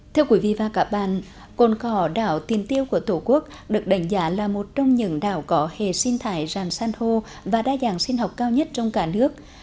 thưa quý vị và các bạn cồn cỏ đảo tiên tiêu của tổ quốc được đánh giá là một trong những đảo có hề sinh thải ràng san hô và đa dạng sinh học cao nhất trong cả nước